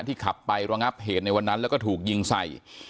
ขับไประงับเหตุในวันนั้นแล้วก็ถูกยิงใส่